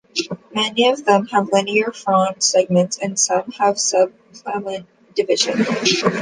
Many of them have linear frond segments, and some have sub-palmate division.